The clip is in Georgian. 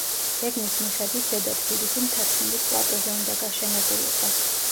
გეგმის მიხედვით „ზედა თბილისი“ მთაწმინდის პლატოზე უნდა გაშენებულიყო.